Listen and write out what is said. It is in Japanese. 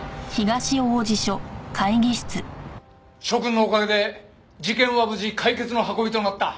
諸君のおかげで事件は無事解決の運びとなった。